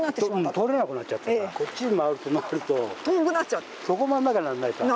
通れなくなっちゃったからこっちに回るとなるとそこ回んなきゃなんないから。